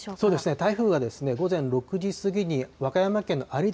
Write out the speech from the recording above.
台風は午前６時過ぎに和歌山県のありだ